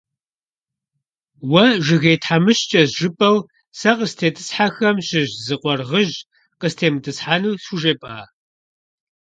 Уэ Жыгей тхьэмыщкӀэщ, жыпӀэу сэ къыстетӀысхьэхэм щыщ зы къуаргъыжь къыстемытӀысхьэну схужепӀа?!